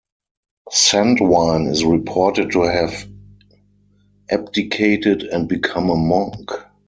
Centwine is reported to have abdicated and become a monk.